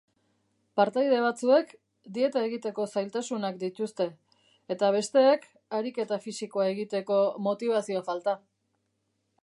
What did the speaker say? Partaide batzuek dieta egiteko zailtasunak dituzte eta besteek ariketa fisikoa egiteko motibazio falta.